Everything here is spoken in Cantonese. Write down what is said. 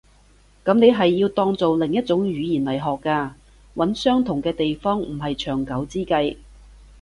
噉你係要當做另一種語言來學嘅。揾相同嘅地方唔係長久之計